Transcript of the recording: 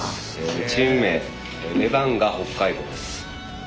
チーム名レバンガ北海道です。